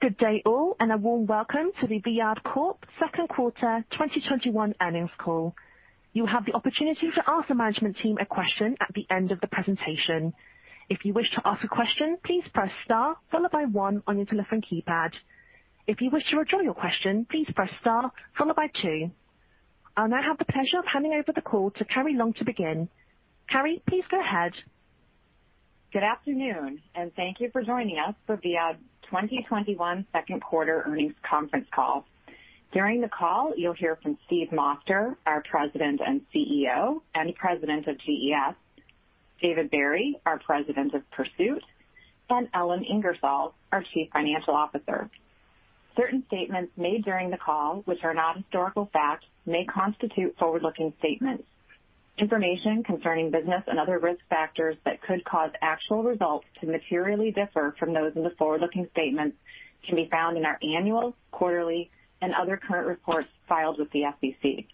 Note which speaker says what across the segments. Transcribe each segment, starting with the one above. Speaker 1: Good day, all. A warm welcome to the Viad Corp second quarter 2021 earnings call. You will have the opportunity to ask the management team a question at the end of the presentation. If you wish to ask a question, please press star followed by one on your telephone keypad. If you wish to withdraw your question, please press star followed by two. I'll now have the pleasure of handing over the call to Carrie Long to begin. Carrie, please go ahead.
Speaker 2: Good afternoon, and thank you for joining us for Viad 2021 second quarter earnings conference call. During the call, you'll hear from Steve Moster, our President and CEO, and President of GES, David Barry, our President of Pursuit, and Ellen Ingersoll, our Chief Financial Officer. Certain statements made during the call, which are not historical facts, may constitute forward-looking statements. Information concerning business and other risk factors that could cause actual results to materially differ from those in the forward-looking statements can be found in our annual, quarterly, and other current reports filed with the SEC.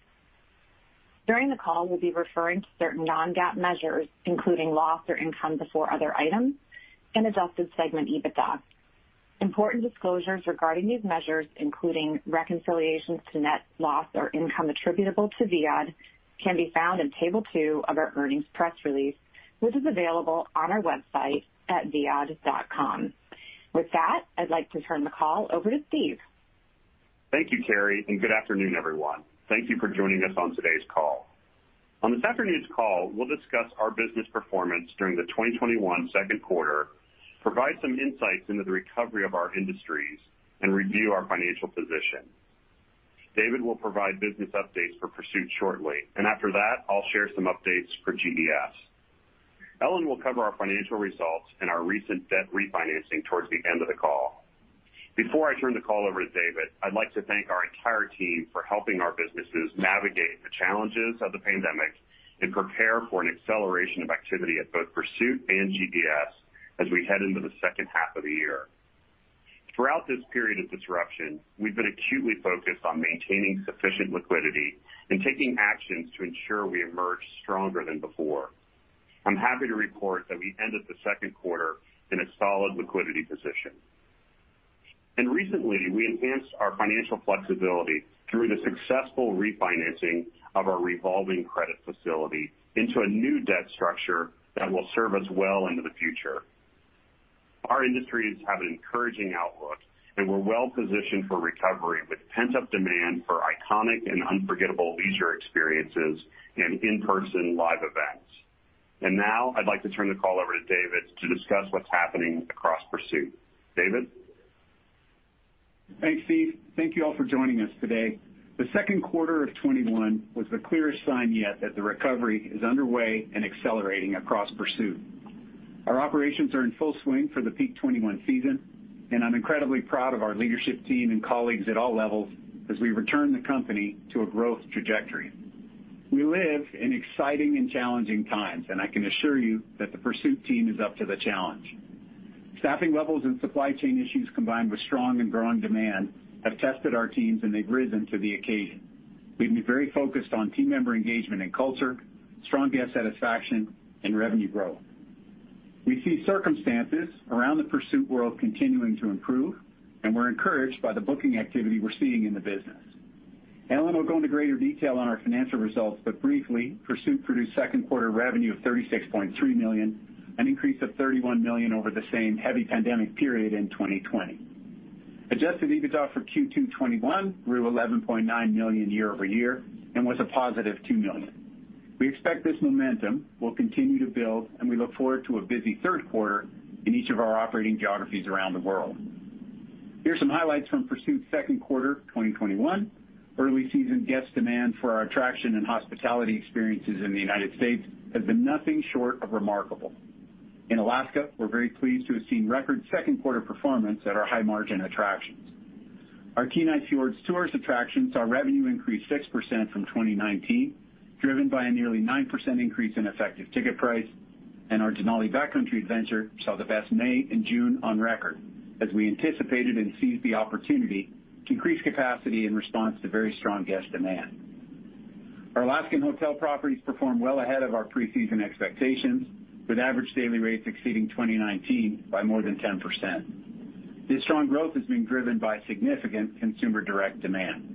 Speaker 2: During the call, we'll be referring to certain non-GAAP measures, including loss or income before other items and adjusted segment EBITDA. Important disclosures regarding these measures, including reconciliations to net loss or income attributable to Viad, can be found in table two of our earnings press release, which is available on our website at viad.com. With that, I'd like to turn the call over to Steve.
Speaker 3: Thank you, Carrie. Good afternoon, everyone. Thank you for joining us on today's call. On this afternoon's call, we'll discuss our business performance during the 2021 second quarter, provide some insights into the recovery of our industries, and review our financial position. David will provide business updates for Pursuit shortly. After that, I'll share some updates for GES. Ellen will cover our financial results and our recent debt refinancing towards the end of the call. Before I turn the call over to David, I'd like to thank our entire team for helping our businesses navigate the challenges of the pandemic and prepare for an acceleration of activity at both Pursuit and GES as we head into the second half of the year. Throughout this period of disruption, we've been acutely focused on maintaining sufficient liquidity and taking actions to ensure we emerge stronger than before. I'm happy to report that we ended the second quarter in a solid liquidity position. Recently, we enhanced our financial flexibility through the successful refinancing of our revolving credit facility into a new debt structure that will serve us well into the future. Our industries have an encouraging outlook, and we're well-positioned for recovery with pent-up demand for iconic and unforgettable leisure experiences and in-person live events. Now I'd like to turn the call over to David to discuss what's happening across Pursuit. David?
Speaker 4: Thanks, Steve. Thank you all for joining us today. The second quarter of 2021 was the clearest sign yet that the recovery is underway and accelerating across Pursuit. Our operations are in full swing for the peak 2021 season, and I'm incredibly proud of our leadership team and colleagues at all levels as we return the company to a growth trajectory. We live in exciting and challenging times, and I can assure you that the Pursuit team is up to the challenge. Staffing levels and supply chain issues, combined with strong and growing demand, have tested our teams, and they've risen to the occasion. We've been very focused on team member engagement and culture, strong guest satisfaction, and revenue growth. We see circumstances around the Pursuit world continuing to improve, and we're encouraged by the booking activity we're seeing in the business. Ellen will go into greater detail on our financial results, but briefly, Pursuit produced second quarter revenue of $36.3 million, an increase of $31 million over the same heavy pandemic period in 2020. Adjusted EBITDA for Q2 2021 grew $11.9 million year-over-year and was a +$2 million. We expect this momentum will continue to build, and we look forward to a busy third quarter in each of our operating geographies around the world. Here's some highlights from Pursuit's second quarter 2021. Early season guest demand for our attraction and hospitality experiences in the United States has been nothing short of remarkable. In Alaska, we're very pleased to have seen record second quarter performance at our high-margin attractions. Our Kenai Fjords Tours attractions saw revenue increase 6% from 2019, driven by a nearly 9% increase in effective ticket price, and our Denali Backcountry Adventure saw the best May and June on record as we anticipated and seized the opportunity to increase capacity in response to very strong guest demand. Our Alaskan hotel properties performed well ahead of our pre-season expectations, with average daily rates exceeding 2019 by more than 10%. This strong growth has been driven by significant consumer direct demand.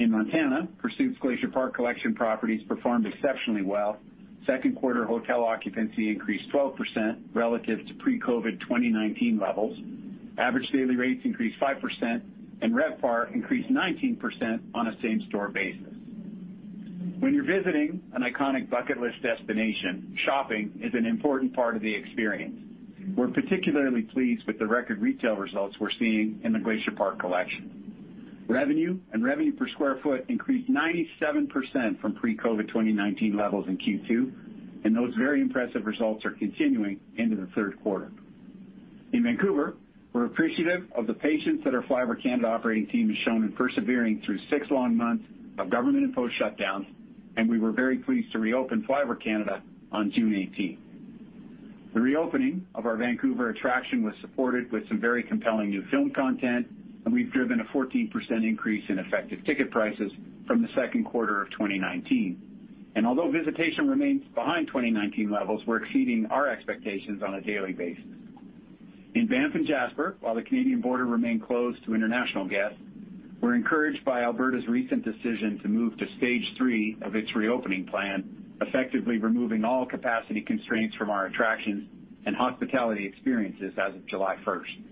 Speaker 4: In Montana, Pursuit's Glacier Park Collection properties performed exceptionally well. Second quarter hotel occupancy increased 12% relative to pre-COVID 2019 levels, average daily rates increased 5%, and RevPAR increased 19% on a same-store basis. When you're visiting an iconic bucket list destination, shopping is an important part of the experience. We're particularly pleased with the record retail results we're seeing in the Glacier Park Collection. Revenue and revenue per square foot increased 97% from pre-COVID 2019 levels in Q2. Those very impressive results are continuing into the third quarter. In Vancouver, we're appreciative of the patience that our FlyOver Canada operating team has shown in persevering through six long months of government-imposed shutdowns. We were very pleased to reopen FlyOver Canada on June 18th. The reopening of our Vancouver attraction was supported with some very compelling new film content. We've driven a 14% increase in effective ticket prices from the second quarter of 2019. Although visitation remains behind 2019 levels, we're exceeding our expectations on a daily basis. In Banff and Jasper, while the Canadian border remained closed to international guests, we're encouraged by Alberta's recent decision to move to stage 3 of its reopening plan, effectively removing all capacity constraints from our attractions and hospitality experiences as of July 1st.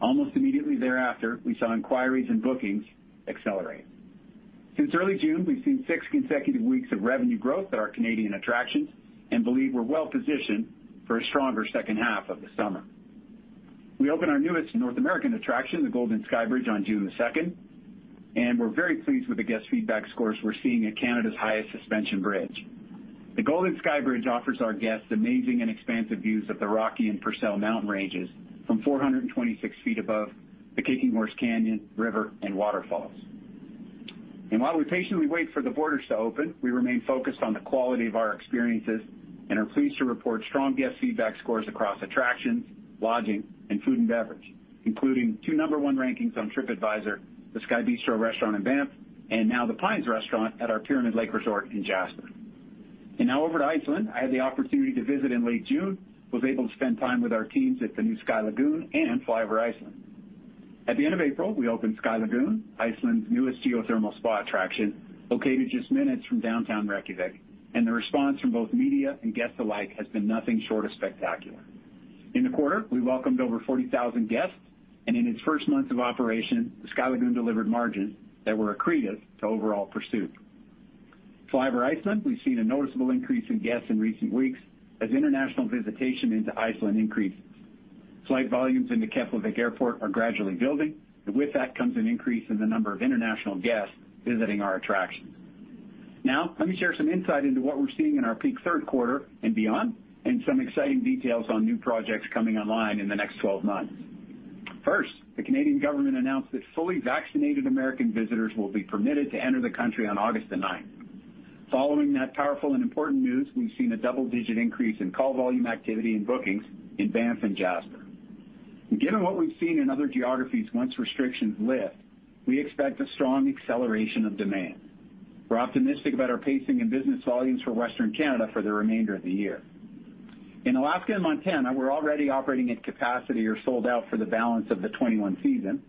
Speaker 4: Almost immediately thereafter, we saw inquiries and bookings accelerate. Since early June, we've seen six consecutive weeks of revenue growth at our Canadian attractions and believe we're well-positioned for a stronger second half of the summer. We opened our newest North American attraction, the Golden Skybridge, on June the 2nd, and we're very pleased with the guest feedback scores we're seeing at Canada's highest suspension bridge. The Golden Skybridge offers our guests amazing and expansive views of the Rocky and Purcell Mountain ranges from 426 ft above the Kicking Horse Canyon, river, and waterfalls. While we patiently wait for the borders to open, we remain focused on the quality of our experiences and are pleased to report strong guest feedback scores across attractions, lodging, and food and beverage, including two number 1 rankings on Tripadvisor: the Sky Bistro restaurant in Banff, and now The Pines restaurant at our Pyramid Lake Resort in Jasper. Now over to Iceland. I had the opportunity to visit in late June, was able to spend time with our teams at the new Sky Lagoon and FlyOver Iceland. At the end of April, we opened Sky Lagoon, Iceland's newest geothermal spa attraction, located just minutes from downtown Reykjavík, the response from both media and guests alike has been nothing short of spectacular. In the quarter, we welcomed over 40,000 guests, and in its first month of operation, the Sky Lagoon delivered margins that were accretive to overall Pursuit. FlyOver Iceland, we've seen a noticeable increase in guests in recent weeks as international visitation into Iceland increases. Flight volumes into Keflavik Airport are gradually building, and with that comes an increase in the number of international guests visiting our attractions. Let me share some insight into what we're seeing in our peak third quarter and beyond, and some exciting details on new projects coming online in the next 12 months. First, the Canadian government announced that fully vaccinated American visitors will be permitted to enter the country on August the 9th. Following that powerful and important news, we've seen a double-digit increase in call volume activity and bookings in Banff and Jasper. Given what we've seen in other geographies once restrictions lift, we expect a strong acceleration of demand. We're optimistic about our pacing and business volumes for Western Canada for the remainder of the year. In Alaska and Montana, we're already operating at capacity or sold out for the balance of the 2021 season,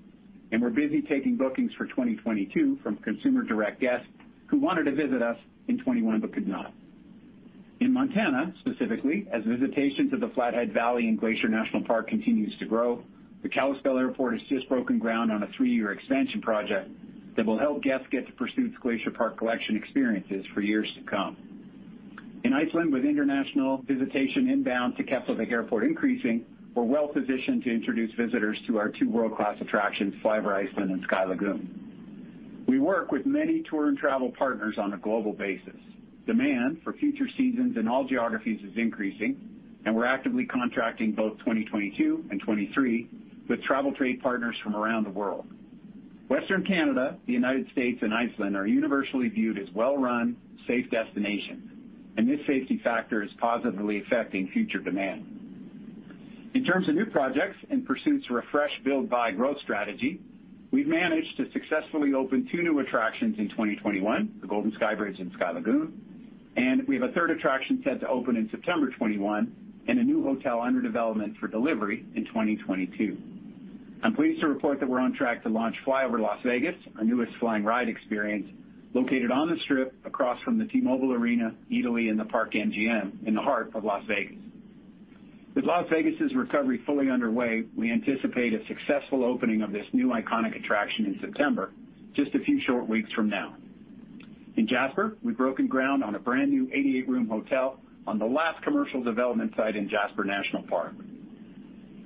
Speaker 4: and we're busy taking bookings for 2022 from consumer-direct guests who wanted to visit us in 2021 but could not. In Montana, specifically, as visitation to the Flathead Valley and Glacier National Park continues to grow, the Kalispell Airport has just broken ground on a 3-year expansion project that will help guests get to Pursuit's Glacier Park Collection experiences for years to come. In Iceland, with international visitation inbound to Keflavik Airport increasing, we're well-positioned to introduce visitors to our two world-class attractions, FlyOver Iceland and Sky Lagoon. We work with many tour and travel partners on a global basis. Demand for future seasons in all geographies is increasing, and we're actively contracting both 2022 and 2023 with travel trade partners from around the world. Western Canada, the United States, and Iceland are universally viewed as well-run, safe destinations, and this safety factor is positively affecting future demand. In terms of new projects and Pursuit's refresh, build, buy growth strategy, we've managed to successfully open two new attractions in 2021, the Golden Skybridge and Sky Lagoon, and we have a third attraction set to open in September 2021 and a new hotel under development for delivery in 2022. I'm pleased to report that we're on track to launch FlyOver Las Vegas, our newest flying ride experience, located on the Strip across from the T-Mobile Arena, Eataly in the Park MGM in the heart of Las Vegas. With Las Vegas' recovery fully underway, we anticipate a successful opening of this new iconic attraction in September, just a few short weeks from now. In Jasper, we've broken ground on a brand-new 88-room hotel on the last commercial development site in Jasper National Park.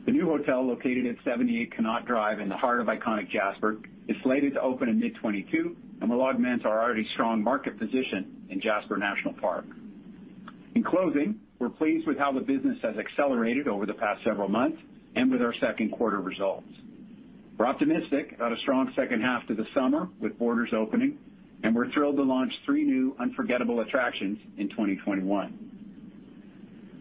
Speaker 4: The new hotel, located at 78 Connaught Drive in the heart of iconic Jasper, is slated to open in mid 2022 and will augment our already strong market position in Jasper National Park. In closing, we're pleased with how the business has accelerated over the past several months and with our second quarter results. We're optimistic about a strong second half to the summer with borders opening, and we're thrilled to launch three new unforgettable attractions in 2021.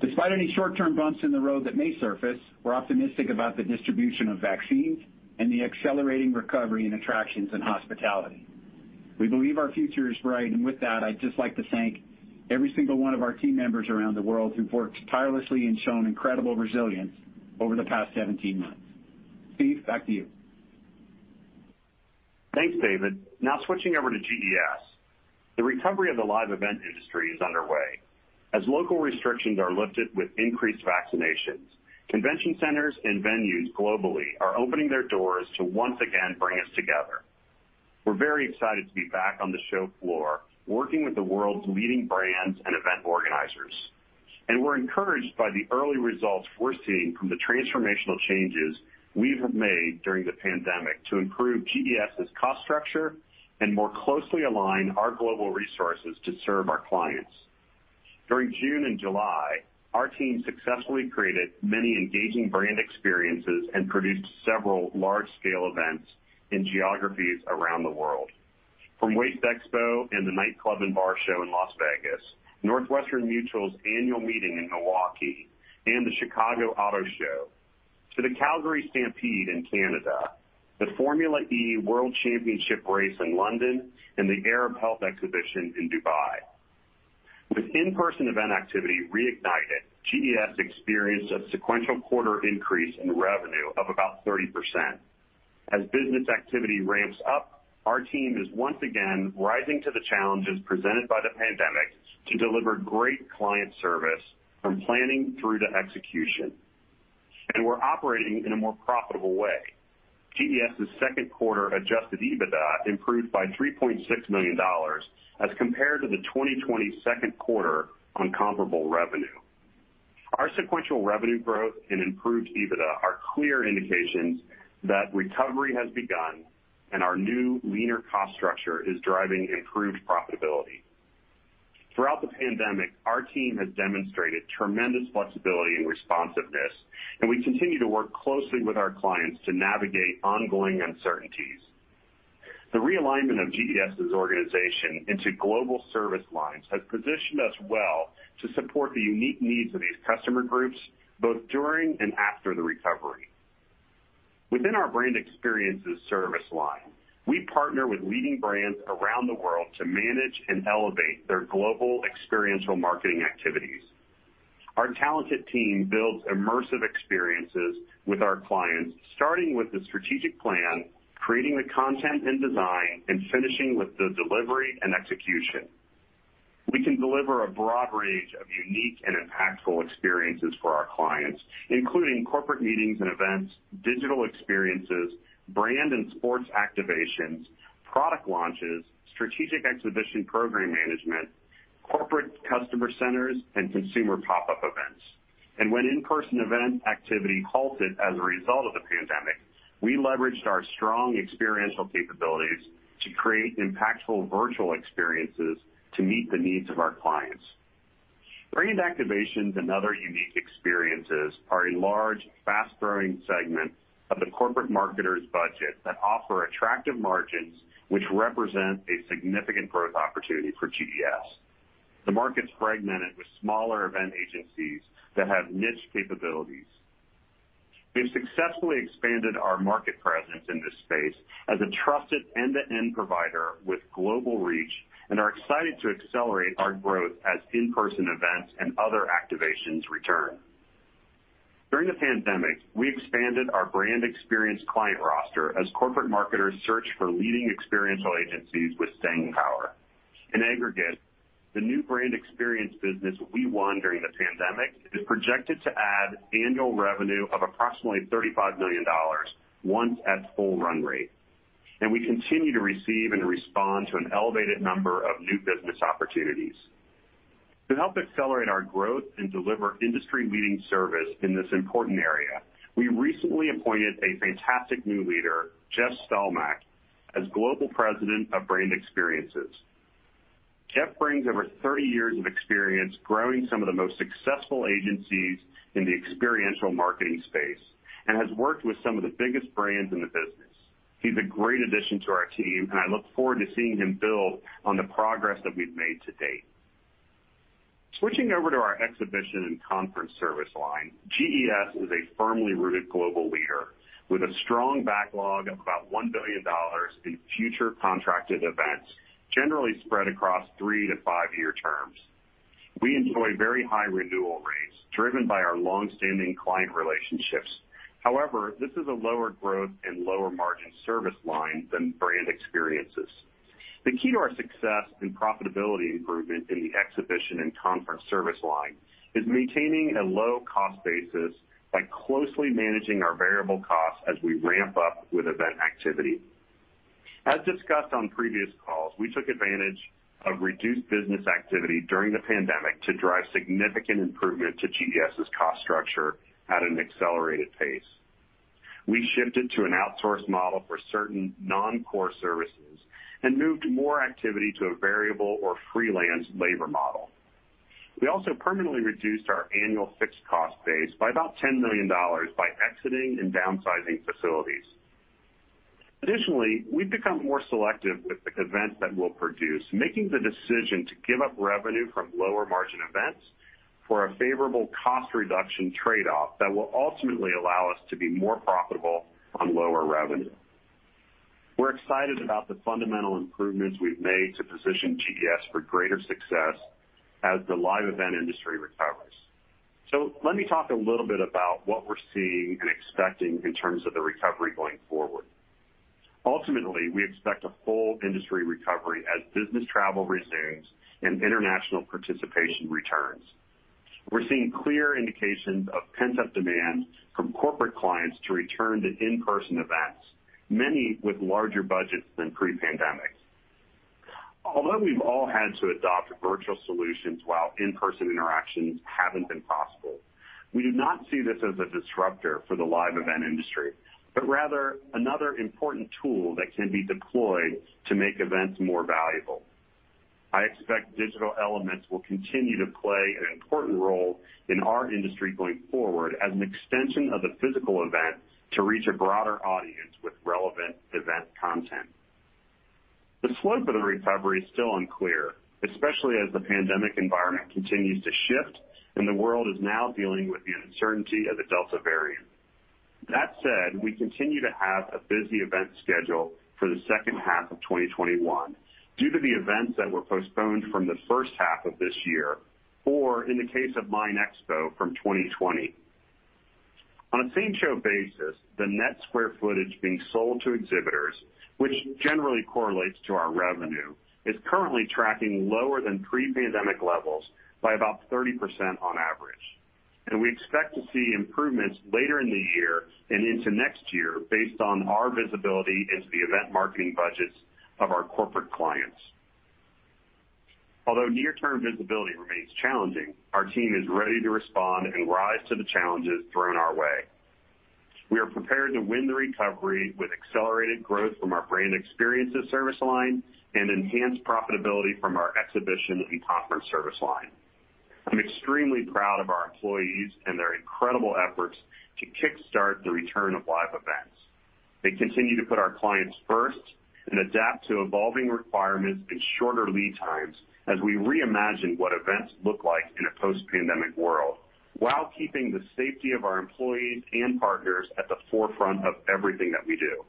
Speaker 4: Despite any short-term bumps in the road that may surface, we're optimistic about the distribution of vaccines and the accelerating recovery in attractions and hospitality. We believe our future is bright. With that, I'd just like to thank every single one of our team members around the world who've worked tirelessly and shown incredible resilience over the past 17 months. Steve, back to you.
Speaker 3: Thanks, David. Now switching over to GES. The recovery of the live event industry is underway. As local restrictions are lifted with increased vaccinations, convention centers and venues globally are opening their doors to once again bring us together. We're very excited to be back on the show floor, working with the world's leading brands and event organizers, and we're encouraged by the early results we're seeing from the transformational changes we have made during the pandemic to improve GES' cost structure and more closely align our global resources to serve our clients. During June and July, our team successfully created many engaging Brand Experiences and produced several large-scale events in geographies around the world. From WasteExpo and the Nightclub & Bar Show in Las Vegas, Northwestern Mutual's annual meeting in Milwaukee, and the Chicago Auto Show, to the Calgary Stampede in Canada, the Formula E World Championship race in London, and the Arab Health Exhibition in Dubai. With in-person event activity reignited, GES experienced a sequential quarter increase in revenue of about 30%. As business activity ramps up, our team is once again rising to the challenges presented by the pandemic to deliver great client service from planning through to execution. We're operating in a more profitable way. GES's second quarter adjusted EBITDA improved by $3.6 million as compared to the 2020 second quarter on comparable revenue. Our sequential revenue growth and improved EBITDA are clear indications that recovery has begun and our new leaner cost structure is driving improved profitability. Throughout the pandemic, our team has demonstrated tremendous flexibility and responsiveness, and we continue to work closely with our clients to navigate ongoing uncertainties. The realignment of GES's organization into global service lines has positioned us well to support the unique needs of these customer groups, both during and after the recovery. Within our Brand Experiences service line, we partner with leading brands around the world to manage and elevate their global experiential marketing activities. Our talented team builds immersive experiences with our clients, starting with the strategic plan, creating the content and design, and finishing with the delivery and execution. We can deliver a broad range of unique and impactful experiences for our clients, including corporate meetings and events, digital experiences, brand and sports activations, product launches, strategic exhibition program management, corporate customer centers, and consumer pop-up events. When in-person event activity halted as a result of the pandemic, we leveraged our strong experiential capabilities to create impactful virtual experiences to meet the needs of our clients. Brand activations and other unique experiences are a large, fast-growing segment of the corporate marketer's budget that offer attractive margins, which represent a significant growth opportunity for GES. The market's fragmented with smaller event agencies that have niche capabilities. We've successfully expanded our market presence in this space as a trusted end-to-end provider with global reach and are excited to accelerate our growth as in-person events and other activations return. During the pandemic, we expanded our brand experience client roster as corporate marketers searched for leading experiential agencies with staying power. In aggregate, the new brand experience business we won during the pandemic is projected to add annual revenue of approximately $35 million once at full run-rate. We continue to receive and respond to an elevated number of new business opportunities. To help accelerate our growth and deliver industry-leading service in this important area, we recently appointed a fantastic new leader, Jeff Stelmach, as Global President of Brand Experiences. Jeff brings over 30 years of experience growing some of the most successful agencies in the experiential marketing space and has worked with some of the biggest brands in the business. He's a great addition to our team, and I look forward to seeing him build on the progress that we've made to-date. Switching over to our Exhibition and Conference Service line, GES is a firmly rooted global leader with a strong backlog of about $1 billion in future contracted events, generally spread across three to five-year terms. We enjoy very high renewal rates driven by our long-standing client relationships. However, this is a lower growth and lower margin service line than Brand Experiences. The key to our success and profitability improvement in the Exhibition and Conference Service line is maintaining a low cost basis by closely managing our variable costs as we ramp up with event activity. As discussed on previous calls, we took advantage of reduced business activity during the pandemic to drive significant improvement to GES's cost structure at an accelerated pace. We shifted to an outsourced model for certain non-core services and moved more activity to a variable or freelance labor model. We also permanently reduced our annual fixed cost base by about $10 million by exiting and downsizing facilities. We've become more selective with the events that we'll produce, making the decision to give up revenue from lower margin events for a favorable cost reduction trade-off that will ultimately allow us to be more profitable on lower revenue. We're excited about the fundamental improvements we've made to position GES for greater success as the live event industry recovers. Let me talk a little bit about what we're seeing and expecting in terms of the recovery going forward. We expect a full industry recovery as business travel resumes and international participation returns. We're seeing clear indications of pent-up demand from corporate clients to return to in-person events, many with larger budgets than pre-pandemic. Although we've all had to adopt virtual solutions while in-person interactions haven't been possible, we do not see this as a disruptor for the live event industry, but rather another important tool that can be deployed to make events more valuable. I expect digital elements will continue to play an important role in our industry going forward as an extension of the physical event to reach a broader audience with relevant event content. The slope of the recovery is still unclear, especially as the pandemic environment continues to shift and the world is now dealing with the uncertainty of the Delta variant. That said, we continue to have a busy event schedule for the second half of 2021 due to the events that were postponed from the first half of this year, or in the case of MINExpo, from 2020. On a same show basis, the net square footage being sold to exhibitors, which generally correlates to our revenue, is currently tracking lower than pre-pandemic levels by about 30% on average. We expect to see improvements later in the year and into next year based on our visibility into the event marketing budgets of our corporate clients. Although near-term visibility remains challenging, our team is ready to respond and rise to the challenges thrown our way. We are prepared to win the recovery with accelerated growth from our Brand Experiences service line and enhanced profitability from our Exhibition and Conference Service line. I'm extremely proud of our employees and their incredible efforts to kickstart the return of live events. They continue to put our clients first and adapt to evolving requirements and shorter lead times as we reimagine what events look like in a post-pandemic world while keeping the safety of our employees and partners at the forefront of everything that we do.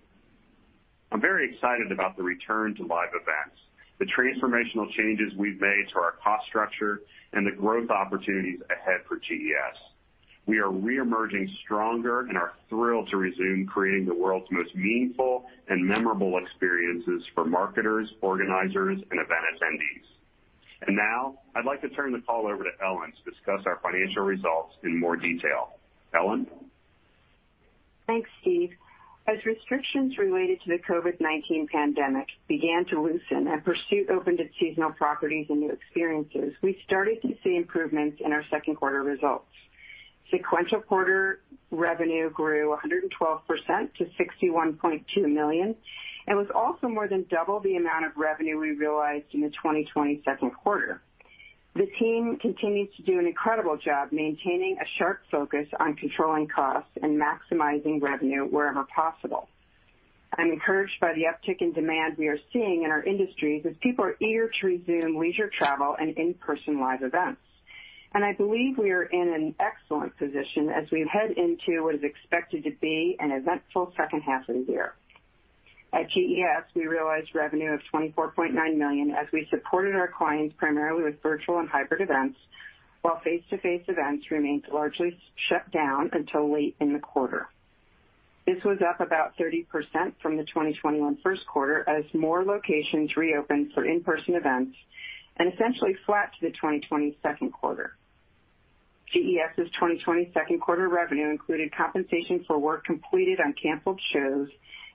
Speaker 3: I'm very excited about the return to live events, the transformational changes we've made to our cost structure, and the growth opportunities ahead for GES. We are reemerging stronger and are thrilled to resume creating the world's most meaningful and memorable experiences for marketers, organizers, and event attendees. Now I'd like to turn the call over to Ellen to discuss our financial results in more detail. Ellen?
Speaker 5: Thanks, Steve. As restrictions related to the COVID-19 pandemic began to loosen and Pursuit opened its seasonal properties and new experiences, we started to see improvements in our second quarter results. Sequential quarter revenue grew 112% to $61.2 million and was also more than double the amount of revenue we realized in the 2020 second quarter. The team continues to do an incredible job maintaining a sharp focus on controlling costs and maximizing revenue wherever possible. I'm encouraged by the uptick in demand we are seeing in our industries as people are eager to resume leisure travel and in-person live events. I believe we are in an excellent position as we head into what is expected to be an eventful second half of the year. At GES, we realized revenue of $24.9 million as we supported our clients primarily with virtual and hybrid events, while face-to-face events remained largely shut down until late in the quarter. This was up about 30% from the 2021 first quarter as more locations reopened for in-person events and essentially flat to the 2020 second quarter. GES's 2020 second quarter revenue included compensation for work completed on canceled shows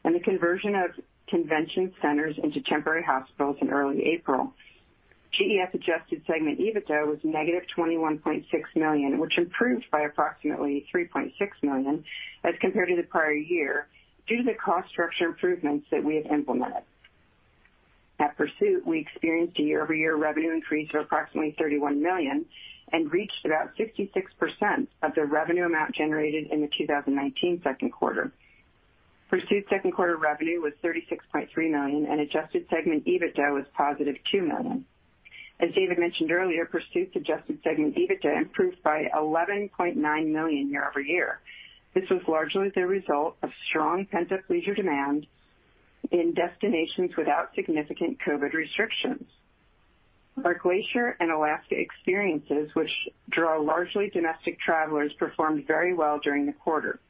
Speaker 5: and the conversion of convention centers into temporary hospitals in early April. GES adjusted segment EBITDA was -$21.6 million, which improved by approximately $3.6 million as compared to the prior year due to the cost structure improvements that we have implemented. At Pursuit, we experienced a year-over-year revenue increase of approximately $31 million and reached about 66% of the revenue amount generated in the 2019 second quarter. Pursuit second quarter revenue was $36.3 million and adjusted segment EBITDA was +$2 million. As David mentioned earlier, Pursuit's adjusted segment EBITDA improved by $11.9 million year-over-year. This was largely the result of strong pent-up leisure demand in destinations without significant COVID-19 restrictions. Our Glacier and Alaska experiences, which draw largely domestic travelers, performed very well during the quarter.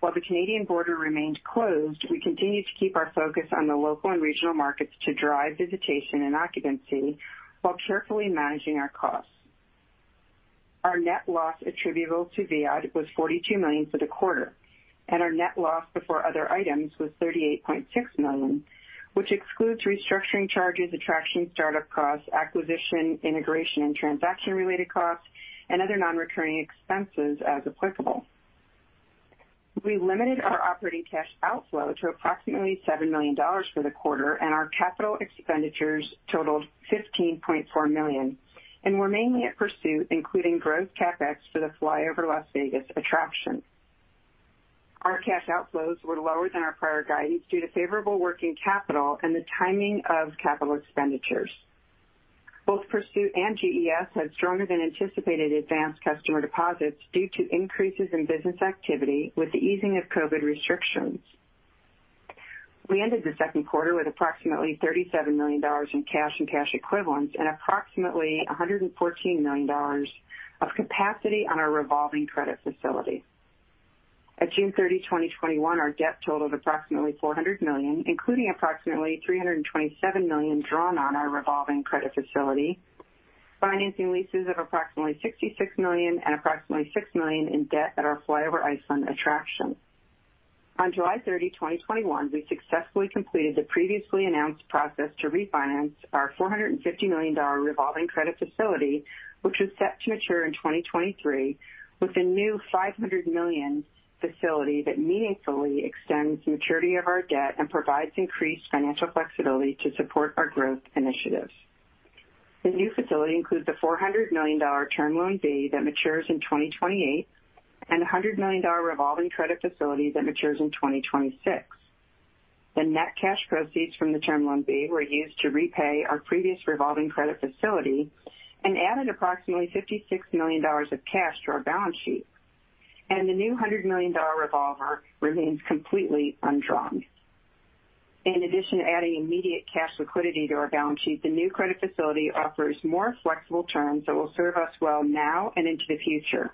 Speaker 5: While the Canadian border remained closed, we continued to keep our focus on the local and regional markets to drive visitation and occupancy while carefully managing our costs. Our net loss attributable to Viad was $42 million for the quarter, and our net loss before other items was $38.6 million, which excludes restructuring charges, attraction startup costs, acquisition, integration, and transaction-related costs, and other non-recurring expenses as applicable. We limited our operating cash outflow to approximately $7 million for the quarter, and our capital expenditures totaled $15.4 million and were mainly at Pursuit, including gross CapEx for the FlyOver Las Vegas attraction. Our cash outflows were lower than our prior guidance due to favorable working capital and the timing of capital expenditures. Both Pursuit and GES had stronger-than-anticipated advanced customer deposits due to increases in business activity with the easing of COVID restrictions. We ended the second quarter with approximately $37 million in cash and cash equivalents and approximately $114 million of capacity on our revolving credit facility. At June 30, 2021, our debt totaled approximately $400 million, including approximately $327 million drawn on our revolving credit facility, financing leases of approximately $66 million and approximately $6 million in debt at our FlyOver Iceland attraction. On July 30, 2021, we successfully completed the previously announced process to refinance our $450 million revolving credit facility, which was set to mature in 2023, with a new $500 million facility that meaningfully extends maturity of our debt and provides increased financial flexibility to support our growth initiatives. The new facility includes the $400 million term loan B that matures in 2028 and a $100 million revolving credit facility that matures in 2026. The net cash proceeds from the term loan B were used to repay our previous revolving credit facility and added approximately $56 million of cash to our balance sheet. The new $100 million revolver remains completely undrawn. In addition to adding immediate cash liquidity to our balance sheet, the new credit facility offers more flexible terms that will serve us well now and into the future.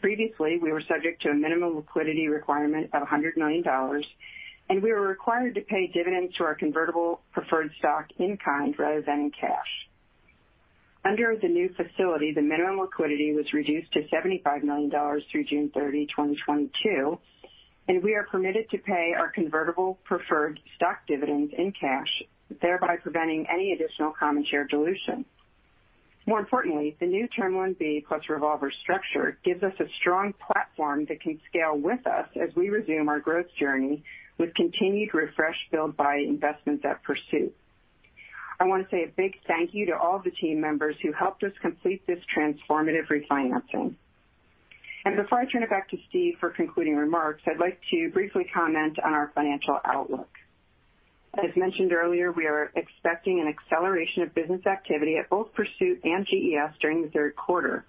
Speaker 5: Previously, we were subject to a minimum liquidity requirement of $100 million, and we were required to pay dividends to our convertible preferred stock in kind rather than in cash. Under the new facility, the minimum liquidity was reduced to $75 million through June 30, 2022, and we are permitted to pay our convertible preferred stock dividends in cash, thereby preventing any additional common share dilution. More importantly, the new term loan B+ revolver structure gives us a strong platform that can scale with us as we resume our growth journey with continued refresh build-buy investments at Pursuit. I want to say a big thank you to all the team members who helped us complete this transformative refinancing. Before I turn it back to Steve for concluding remarks, I'd like to briefly comment on our financial outlook. As mentioned earlier, we are expecting an acceleration of business activity at both Pursuit and GES during the third quarter.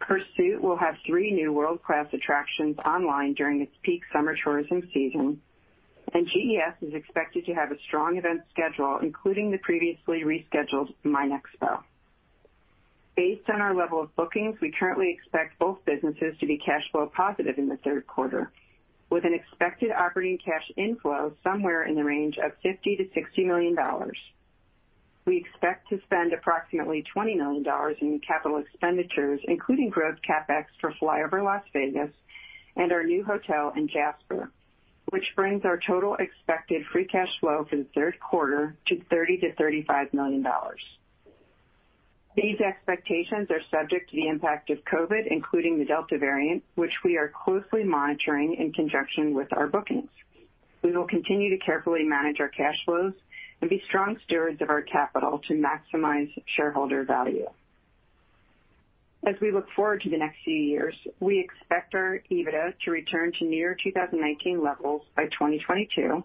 Speaker 5: Pursuit will have three new world-class attractions online during its peak summer tourism season, and GES is expected to have a strong event schedule, including the previously rescheduled MINExpo. Based on our level of bookings, we currently expect both businesses to be cash flow positive in the third quarter, with an expected operating cash inflow somewhere in the range of $50 million-$60 million. We expect to spend approximately $20 million in capital expenditures, including growth CapEx for FlyOver Las Vegas and our new hotel in Jasper, which brings our total expected free cash flow for the third quarter to $30 million-$35 million. These expectations are subject to the impact of COVID, including the Delta variant, which we are closely monitoring in conjunction with our bookings. We will continue to carefully manage our cash flows and be strong stewards of our capital to maximize shareholder value. As we look forward to the next few years, we expect our EBITDA to return to near 2019 levels by 2022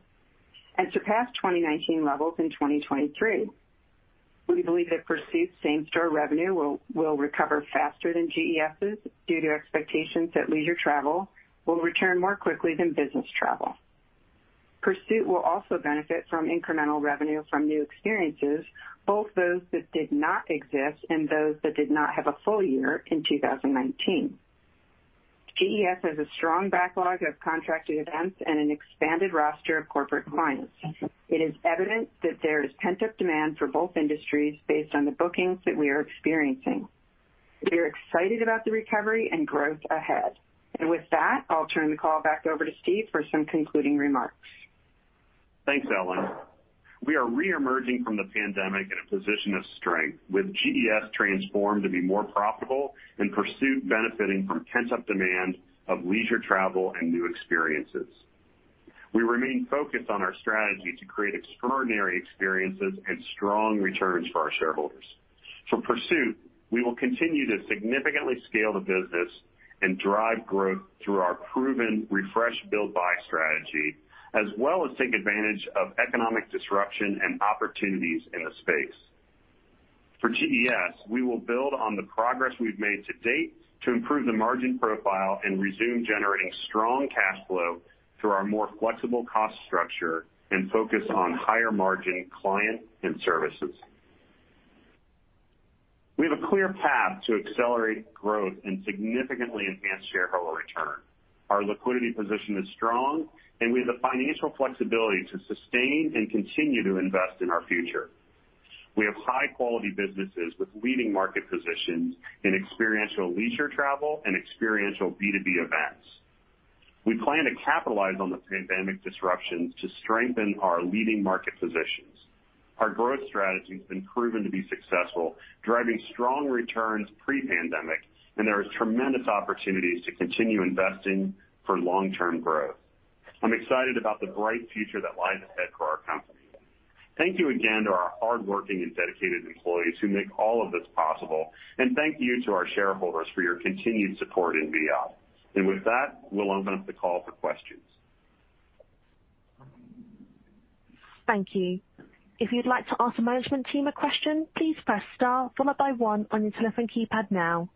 Speaker 5: and surpass 2019 levels in 2023. We believe that Pursuit's same-store revenue will recover faster than GES's, due to expectations that leisure travel will return more quickly than business travel. Pursuit will also benefit from incremental revenue from new experiences, both those that did not exist and those that did not have a full year in 2019. GES has a strong backlog of contracted events and an expanded roster of corporate clients. It is evident that there is pent-up demand for both industries based on the bookings that we are experiencing. We are excited about the recovery and growth ahead. With that, I'll turn the call back over to Steve for some concluding remarks.
Speaker 3: Thanks, Ellen. We are reemerging from the pandemic in a position of strength, with GES transformed to be more profitable and Pursuit benefiting from pent-up demand of leisure travel and new experiences. We remain focused on our strategy to create extraordinary experiences and strong returns for our shareholders. For Pursuit, we will continue to significantly scale the business and drive growth through our proven refresh build-buy strategy, as well as take advantage of economic disruption and opportunities in the space. For GES, we will build on the progress we've made to date to improve the margin profile and resume generating strong cash flow through our more flexible cost structure and focus on higher-margin clients and services. We have a clear path to accelerate growth and significantly advance shareholder return. Our liquidity position is strong, and we have the financial flexibility to sustain and continue to invest in our future. We have high-quality businesses with leading market positions in experiential leisure travel and experiential B2B events. We plan to capitalize on the pandemic disruptions to strengthen our leading market positions. Our growth strategy has been proven to be successful, driving strong returns pre-pandemic, and there are tremendous opportunities to continue investing for long-term growth. I'm excited about the bright future that lies ahead for our company. Thank you again to our hardworking and dedicated employees who make all of this possible, and thank you to our shareholders for your continued support in Viad. With that, we'll open up the call for questions.
Speaker 1: Thank you. If you'd like to ask the management team a question, please press star followed by one on your telephone keypad now.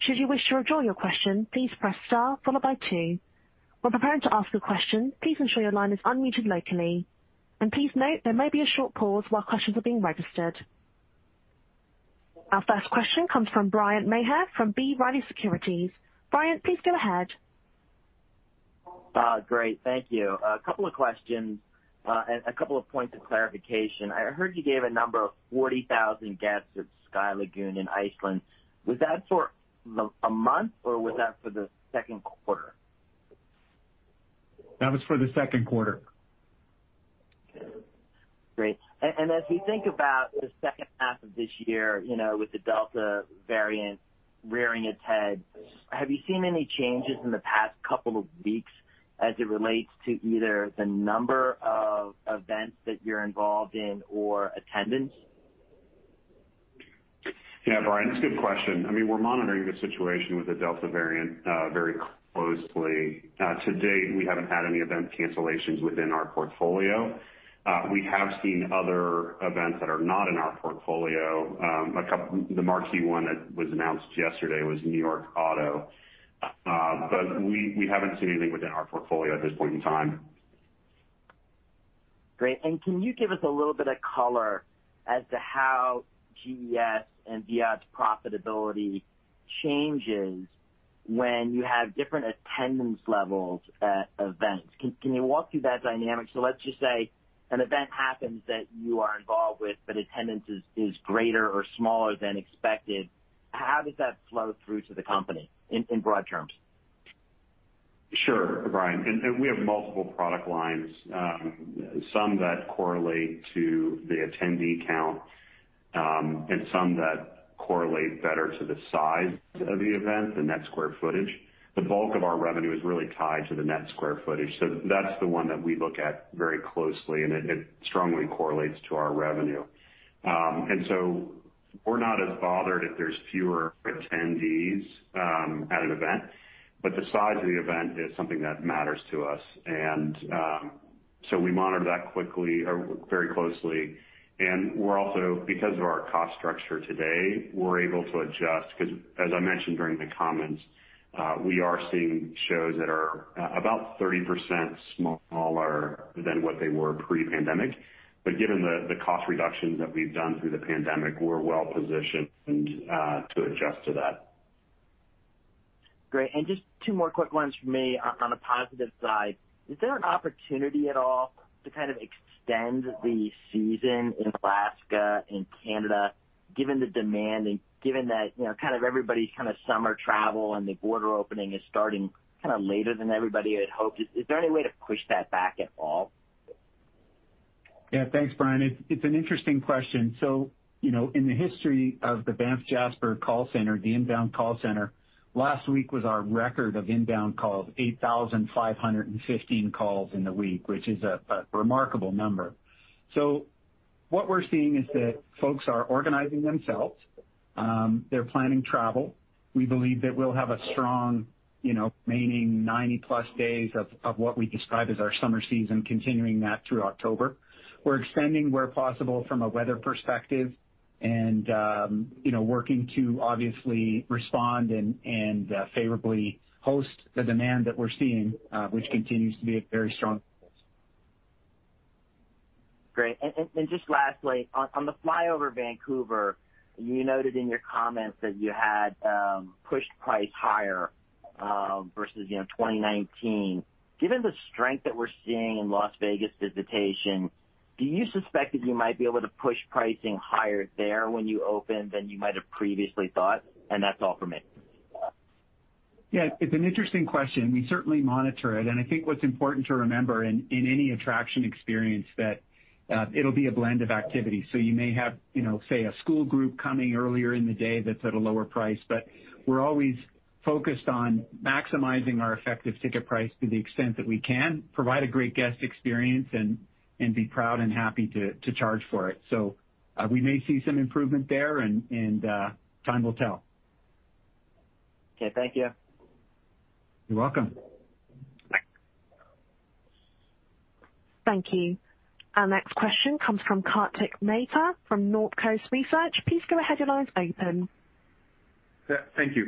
Speaker 1: Should you wish to withdraw your question, please press star followed by two. If you wish to ask the question, please ensure your line is unmuted locally, and please note there may be a short pause while questions are being registered. Our first question comes from Bryan Maher from B. Riley Securities. Bryan, please go ahead.
Speaker 6: Great. Thank you. A couple of questions, and a couple of points of clarification. I heard you gave a number of 40,000 guests at Sky Lagoon in Iceland. Was that for a month, or was that for the second quarter?
Speaker 3: That was for the second quarter.
Speaker 6: As we think about the second half of this year, with the Delta variant rearing its head. Have you seen any changes in the past couple of weeks as it relates to either the number of events that you're involved in or attendance?
Speaker 3: Yeah, Bryan, that's a good question. We're monitoring the situation with the Delta variant very closely. To-date, we haven't had any event cancellations within our portfolio. We have seen other events that are not in our portfolio. The marquee one that was announced yesterday was New York Auto. We haven't seen anything within our portfolio at this point in time.
Speaker 6: Great. Can you give us a little bit of color as to how GES and Viad's profitability changes when you have different attendance levels at events? Can you walk through that dynamic? Let's just say an event happens that you are involved with, but attendance is greater or smaller than expected. How does that flow through to the company in broad terms?
Speaker 3: Sure, Bryan. We have multiple product lines, some that correlate to the attendee count, and some that correlate better to the size of the event, the net square footage. The bulk of our revenue is really tied to the net square footage. That's the one that we look at very closely, and it strongly correlates to our revenue. We're not as bothered if there's fewer attendees at an event, but the size of the event is something that matters to us. We monitor that very closely. We're also, because of our cost structure today, we're able to adjust because, as I mentioned during the comments, we are seeing shows that are about 30% smaller than what they were pre-pandemic. Given the cost reductions that we've done through the pandemic, we're well-positioned to adjust to that.
Speaker 6: Great. Just two more quick ones from me. On a positive side, is there an opportunity at all to kind of extend the season in Alaska and Canada, given the demand and given that everybody's summer travel and the border opening is starting later than everybody had hoped? Is there any way to push that back at all?
Speaker 4: Yeah. Thanks, Bryan. It's an interesting question. In the history of the Banff Jasper call center, the inbound call center, last week was our record of inbound calls, 8,515 calls in the week, which is a remarkable number. We believe that we'll have a strong remaining 90-plus days of what we describe as our summer season, continuing that through October. We're extending where possible from a weather perspective and working to obviously respond and favorably host the demand that we're seeing, which continues to be very strong for us.
Speaker 6: Great. Just lastly, on the FlyOver Vancouver, you noted in your comments that you had pushed price higher versus 2019. Given the strength that we're seeing in Las Vegas visitation, do you suspect that you might be able to push pricing higher there when you open than you might have previously thought? That's all from me.
Speaker 4: It's an interesting question. We certainly monitor it. I think what's important to remember in any attraction experience that it'll be a blend of activities. You may have, say, a school group coming earlier in the day that's at a lower price, but we're always focused on maximizing our effective ticket price to the extent that we can provide a great guest experience and be proud and happy to charge for it. We may see some improvement there, and time will tell.
Speaker 6: Okay. Thank you.
Speaker 4: You're welcome.
Speaker 6: Thanks.
Speaker 1: Thank you. Our next question comes from Kartik Mehta from Northcoast Research. Please go ahead.
Speaker 7: Thank you.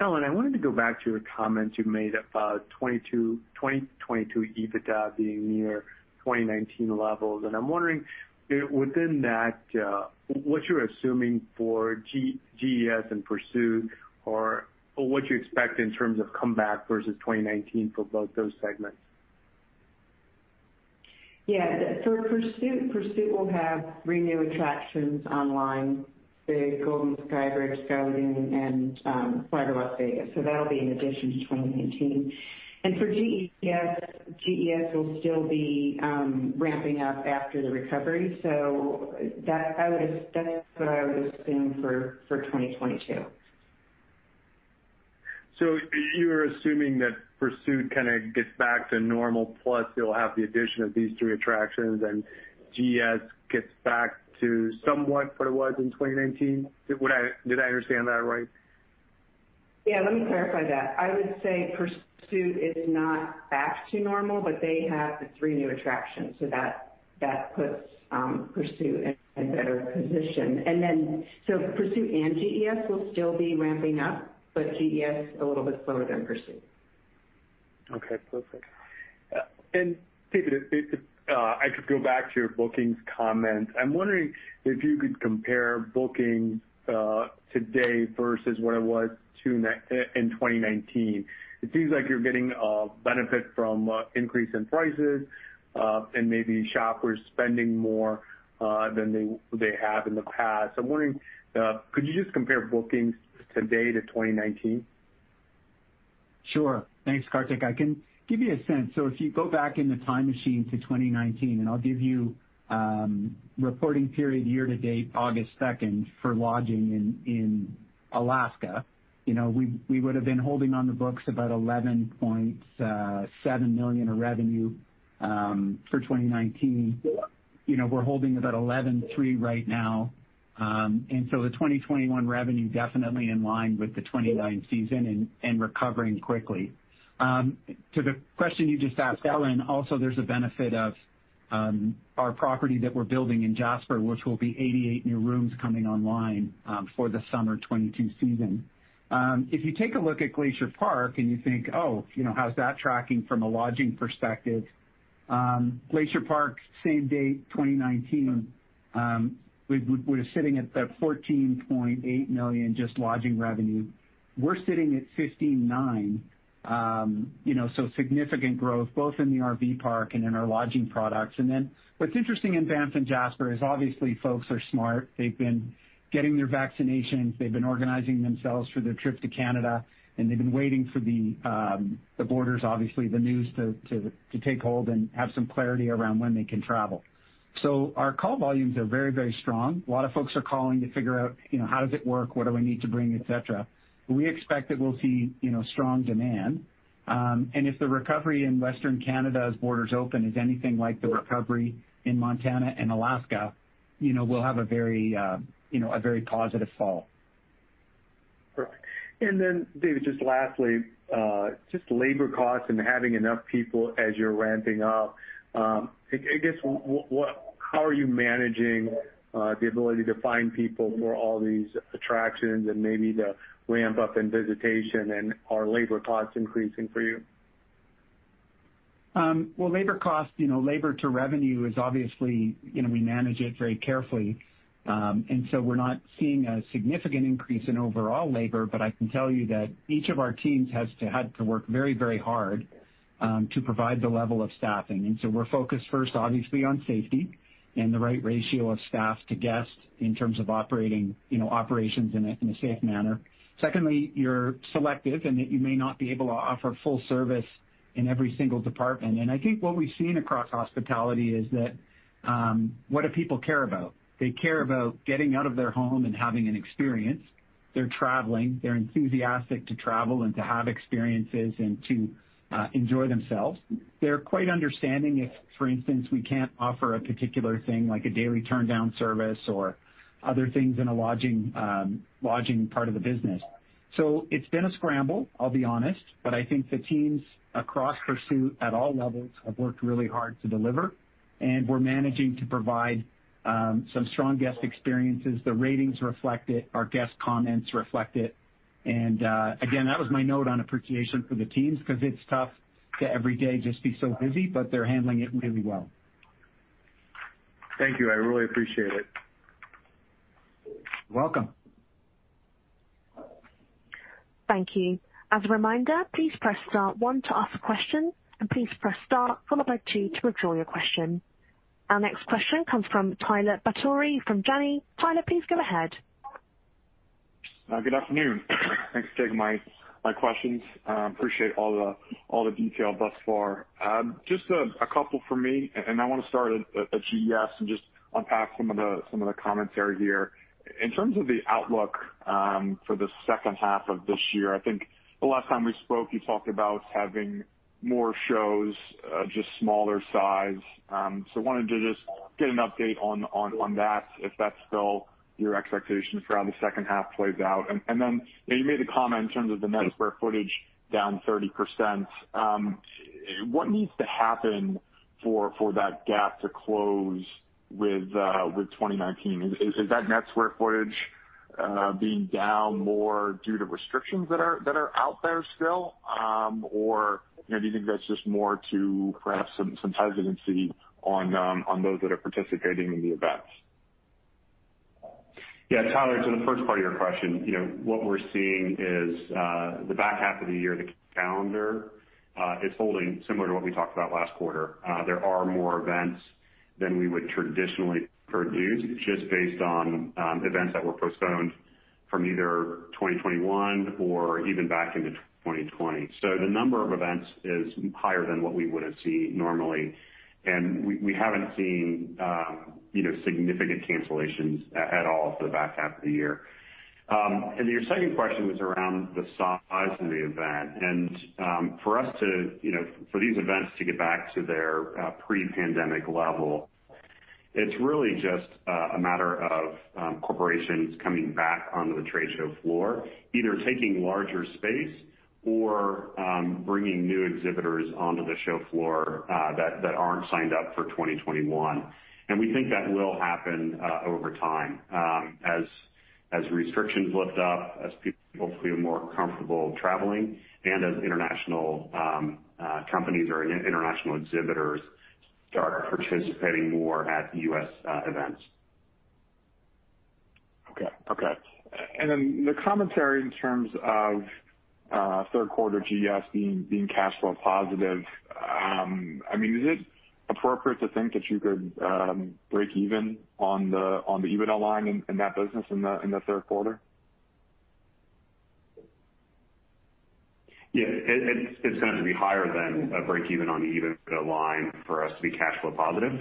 Speaker 7: Ellen, I wanted to go back to your comments you made about 2022 EBITDA being near 2019 levels. I'm wondering within that, what you're assuming for GES and Pursuit or what you expect in terms of comeback versus 2019 for both those segments?
Speaker 5: For Pursuit will have three new attractions online, the Golden Skybridge, Sky Lagoon, and FlyOver Las Vegas. That'll be an addition to 2019. For GES will still be ramping up after the recovery. That's what I would assume for 2022.
Speaker 7: You're assuming that Pursuit kind of gets back to normal, plus it'll have the addition of these three attractions and GES gets back to somewhat what it was in 2019? Did I understand that right?
Speaker 5: Let me clarify that. I would say Pursuit is not back to normal, but they have the three new attractions, that puts Pursuit in a better position. Pursuit and GES will still be ramping up, GES a little bit slower than Pursuit.
Speaker 7: Okay, perfect. David, if I could go back to your bookings comment. I'm wondering if you could compare bookings today versus what it was in 2019. It seems like you're getting a benefit from increase in prices, and maybe shoppers spending more than they have in the past. I'm wondering, could you just compare bookings today to 2019?
Speaker 4: Thanks, Kartik. I can give you a sense. If you go back in the time machine to 2019, and I'll give you reporting period year-to-date August 2nd for lodging in Alaska. We would've been holding on the books about $11.7 million of revenue for 2019. We're holding about $11.3 million right now. The 2021 revenue definitely in line with the 2019 season and recovering quickly. To the question you just asked, Ellen, also, there's a benefit of our property that we're building in Jasper, which will be 88 new rooms coming online for the summer 2022 season. If you take a look at Glacier Park and you think, "Oh, how's that tracking from a lodging perspective?" Glacier Park, same date, 2019, we're sitting at that $14.8 million just lodging revenue. We're sitting at $15.9 million, so significant growth both in the RV park and in our lodging products. What's interesting in Banff and Jasper is obviously folks are smart. They've been getting their vaccinations, they've been organizing themselves for their trip to Canada, and they've been waiting for the borders, obviously, the news to take hold and have some clarity around when they can travel. Our call volumes are very, very strong. A lot of folks are calling to figure out how does it work, what do I need to bring, et cetera. We expect that we'll see strong demand. If the recovery in Western Canada as borders open is anything like the recovery in Montana and Alaska, we'll have a very positive fall.
Speaker 7: Perfect. David, just lastly, just labor costs and having enough people as you're ramping up. I guess, how are you managing the ability to find people for all these attractions and maybe the ramp up in visitation, and are labor costs increasing for you?
Speaker 4: Well, labor cost, labor to revenue is obviously. We manage it very carefully. We're not seeing a significant increase in overall labor, but I can tell you that each of our teams has had to work very, very hard to provide the level of staffing. We're focused first, obviously, on safety and the right ratio of staff to guest in terms of operating operations in a safe manner. Secondly, you're selective and that you may not be able to offer full service in every single department. I think what we've seen across hospitality is that, what do people care about? They care about getting out of their home and having an experience. They're traveling. They're enthusiastic to travel and to have experiences and to enjoy themselves. They're quite understanding if, for instance, we can't offer a particular thing like a daily turndown service or other things in a lodging part of the business. It's been a scramble, I'll be honest, but I think the teams across Pursuit at all levels have worked really hard to deliver, and we're managing to provide some strong guest experiences. The ratings reflect it, our guest comments reflect it. Again, that was my note on appreciation for the teams because it's tough to every day just be so busy, but they're handling it really well.
Speaker 7: Thank you. I really appreciate it.
Speaker 4: You're welcome.
Speaker 1: Thank you. As a reminder, please press star one to ask a question, and please press star followed by two to withdraw your question. Our next question comes from Tyler Batory from Janney. Tyler, please go ahead.
Speaker 8: Good afternoon. Thanks for taking my questions. Appreciate all the detail thus far. Just a couple from me. I want to start at GES and just unpack some of the commentary here. In terms of the outlook for the second half of this year, I think the last time we spoke, you talked about having more shows, just smaller size. Wanted to just get an update on that, if that's still your expectation for how the second half plays out. You made the comment in terms of the net square footage down 30%. What needs to happen for that gap to close with 2019? Is that net square footage being down more due to restrictions that are out there still? Do you think that's just more to perhaps some hesitancy on those that are participating in the events?
Speaker 3: Tyler, to the first part of your question, what we're seeing is the back half of the year, the calendar, is holding similar to what we talked about last quarter. There are more events than we would traditionally produce just based on events that were postponed from either 2021 or even back into 2020. The number of events is higher than what we would have seen normally, and we haven't seen significant cancellations at all for the back half of the year. Your second question was around the size of the event. For these events to get back to their pre-pandemic level, it's really just a matter of corporations coming back onto the trade show floor, either taking larger space or bringing new exhibitors onto the show floor that aren't signed up for 2021. We think that will happen over time as restrictions lift up, as people hopefully are more comfortable traveling, and as international companies or international exhibitors start participating more at U.S. events.
Speaker 8: Okay. The commentary in terms of third quarter GES being cash flow positive. I mean, is it appropriate to think that you could break even on the EBITDA line in that business in the third quarter?
Speaker 3: Yeah. It's going to be higher than a break-even on the EBITDA line for us to be cash flow positive.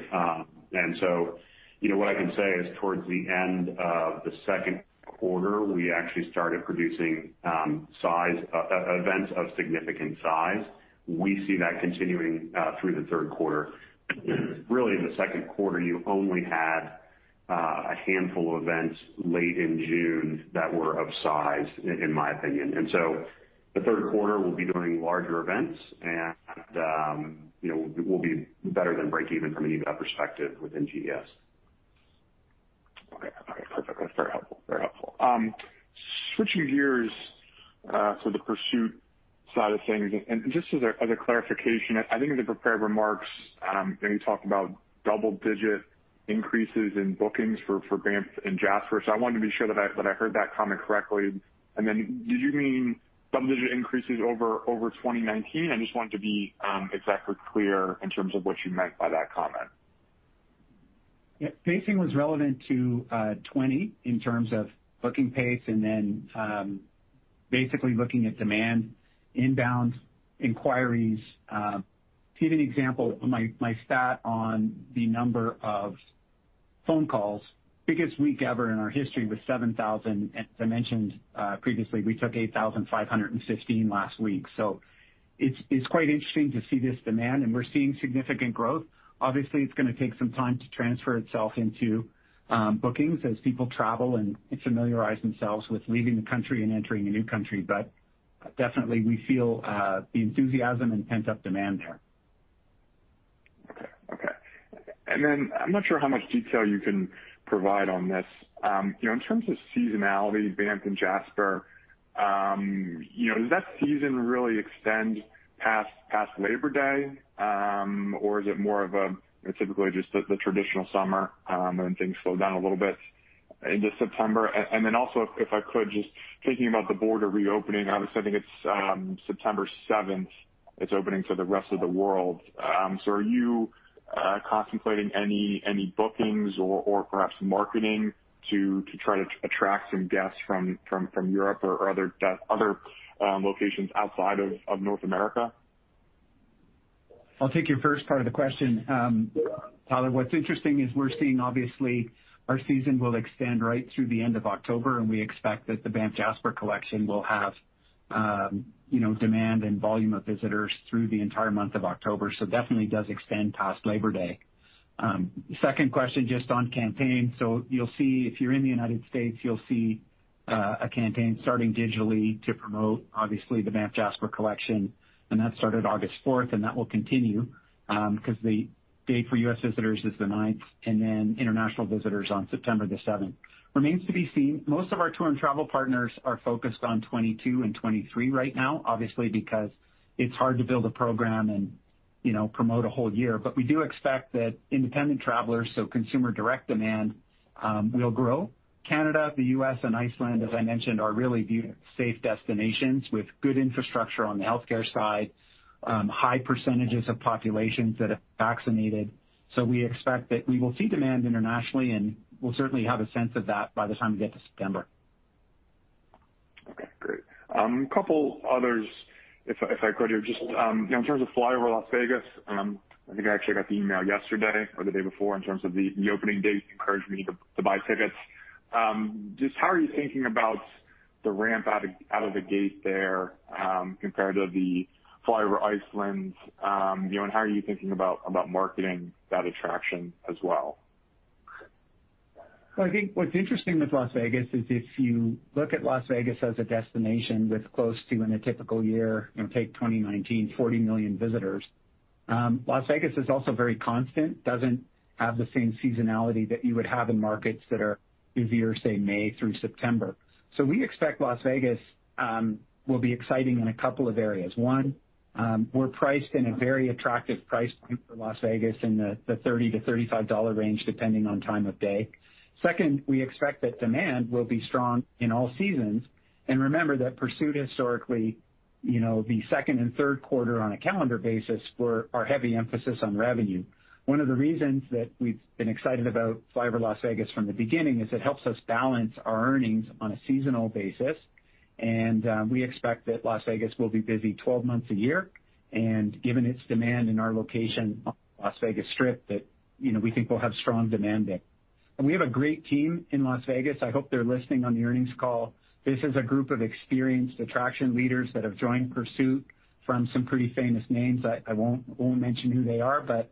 Speaker 3: What I can say is towards the end of the second quarter, we actually started producing events of significant size. We see that continuing through the third quarter. Really, in the second quarter, you only had a handful of events late in June that were of size, in my opinion. The third quarter, we'll be doing larger events and we'll be better than break-even from an EBITDA perspective within GES.
Speaker 8: Okay. Perfect. That's very helpful. Switching gears to the Pursuit side of things, just as a clarification, I think in the prepared remarks, when you talked about double-digit increases in bookings for Banff and Jasper. I wanted to be sure that I heard that comment correctly, did you mean double-digit increases over 2019? I just wanted to be exactly clear in terms of what you meant by that comment.
Speaker 4: Yeah. Pacing was relevant to 2020 in terms of booking pace, basically looking at demand, inbound inquiries. To give you an example, my stat on the number of phone calls, biggest week ever in our history was 7,000. As I mentioned previously, we took 8,515 last week. It's quite interesting to see this demand. We're seeing significant growth. Obviously, it's going to take some time to transfer itself into bookings as people travel and familiarize themselves with leaving the country and entering a new country. Definitely we feel the enthusiasm and pent-up demand there.
Speaker 8: Okay. I'm not sure how much detail you can provide on this. In terms of seasonality, Banff and Jasper, does that season really extend past Labor Day? Is it more of a typically just the traditional summer, and then things slow down a little bit into September? Also, if I could, just thinking about the border reopening, obviously, I think it's September 7th it's opening to the rest of the world. Are you contemplating any bookings or perhaps marketing to try to attract some guests from Europe or other locations outside of North America?
Speaker 4: I'll take your first part of the question, Tyler. What's interesting is we're seeing, obviously, our season will extend right through the end of October, and we expect that the Banff Jasper Collection will have demand and volume of visitors through the entire month of October. Definitely does extend past Labor Day. Second question just on campaign. You'll see, if you're in the United States, you'll see a campaign starting digitally to promote, obviously, the Banff Jasper Collection, and that started August 4th, and that will continue because the date for U.S. visitors is the 9th and then international visitors on September the 7th. Remains to be seen. Most of our tour and travel partners are focused on 2022 and 2023 right now, obviously, because it's hard to build a program and promote a whole year. We do expect that independent travelers, so consumer direct demand, will grow. Canada, the U.S., and Iceland, as I mentioned, are really viewed as safe destinations with good infrastructure on the healthcare side, high percentages of populations that have vaccinated. We expect that we will see demand internationally, and we'll certainly have a sense of that by the time we get to September.
Speaker 8: Okay, great. Couple others if I could here. Just in terms of FlyOver Las Vegas, I think I actually got the email yesterday or the day before in terms of the opening dates encouraging me to buy tickets. Just how are you thinking about the ramp out of the gate there compared to the FlyOver Iceland? How are you thinking about marketing that attraction as well?
Speaker 4: Well, I think what's interesting with Las Vegas is if you look at Las Vegas as a destination with close to, in a typical year, take 2019, 40 million visitors. Las Vegas is also very constant, doesn't have the same seasonality that you would have in markets that are heavier, say, May through September. We expect Las Vegas will be exciting in a couple of areas. One, we're priced in a very attractive price point for Las Vegas in the $30-$35 range, depending on time of day. Second, we expect that demand will be strong in all seasons. Remember that Pursuit historically, the second and third quarter on a calendar basis were our heavy emphasis on revenue. One of the reasons that we've been excited about FlyOver Las Vegas from the beginning is it helps us balance our earnings on a seasonal basis.
Speaker 3: We expect that Las Vegas will be busy 12 months a year, given its demand and our location on the Las Vegas Strip, that we think we'll have strong demand there. We have a great team in Las Vegas. I hope they're listening on the earnings call. This is a group of experienced attraction leaders that have joined Pursuit from some pretty famous names. I won't mention who they are, but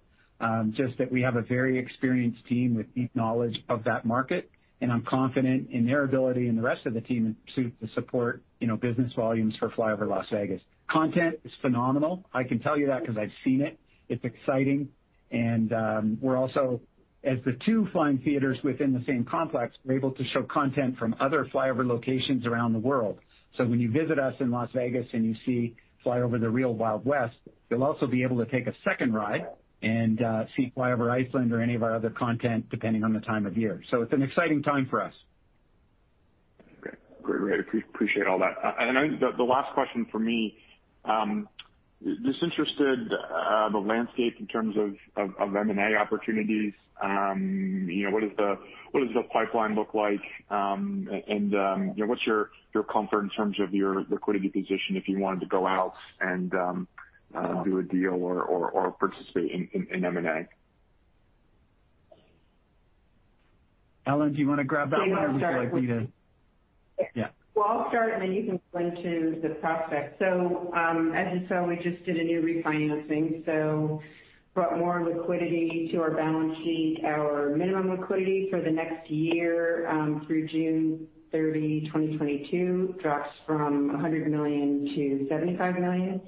Speaker 3: just that we have a very experienced team with deep knowledge of that market, and I'm confident in their ability and the rest of the team at Pursuit to support business volumes for FlyOver Las Vegas. Content is phenomenal. I can tell you that because I've seen it. It's exciting, and we're also, as the two flying theaters within the same complex, we're able to show content from other FlyOver locations around the world.
Speaker 4: When you visit us in Las Vegas and you see FlyOver The Real Wild West, you'll also be able to take a second ride and see FlyOver Iceland or any of our other content, depending on the time of year. It's an exciting time for us.
Speaker 8: Great. Appreciate all that. I think the last question for me, just interested, the landscape in terms of M&A opportunities. What does the pipeline look like? What's your comfort in terms of your liquidity position if you wanted to go out and do a deal or participate in M&A?
Speaker 4: Ellen, do you want to grab that one?
Speaker 5: I'll start.
Speaker 4: Would you like me to?
Speaker 5: Well, I'll start, and then you can go into the prospects. As you saw, we just did a new refinancing, brought more liquidity to our balance sheet. Our minimum liquidity for the next year, through June 30, 2022, drops from $100 million to $75 million.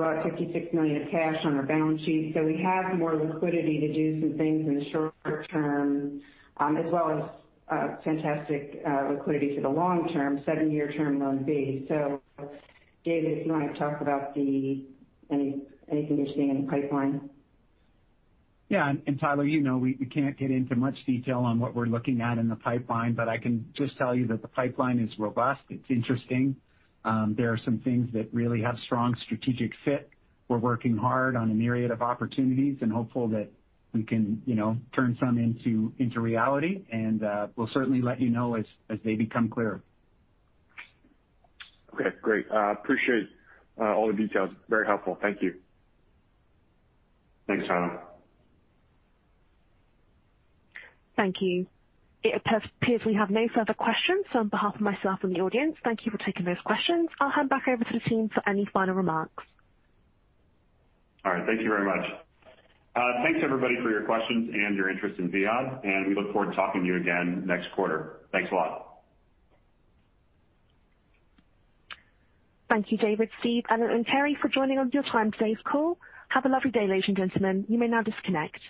Speaker 5: We brought $56 million of cash on our balance sheet. We have more liquidity to do some things in the shorter term, as well as fantastic liquidity for the long term, 7-year term loan B. David, do you want to talk about anything that's staying in the pipeline?
Speaker 4: Yeah. Tyler, you know we can't get into much detail on what we're looking at in the pipeline, but I can just tell you that the pipeline is robust. It's interesting. There are some things that really have strong strategic fit. We're working hard on a myriad of opportunities and hopeful that we can turn some into reality. We'll certainly let you know as they become clearer.
Speaker 8: Okay, great. Appreciate all the details. Very helpful. Thank you.
Speaker 3: Thanks, Tyler.
Speaker 1: Thank you. It appears we have no further questions. On behalf of myself and the audience, thank you for taking those questions. I'll hand back over to the team for any final remarks.
Speaker 3: All right. Thank you very much. Thanks everybody for your questions and your interest in Viad, and we look forward to talking to you again next quarter. Thanks a lot.
Speaker 1: Thank you, David, Steve, Ellen, and Carrie, for joining on your time today's call. Have a lovely day, ladies and gentlemen. You may now disconnect.